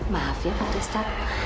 maaf ya pak testa